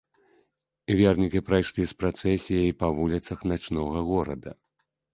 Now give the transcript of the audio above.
Вернікі прайшлі з працэсіяй па вуліцах начнога горада.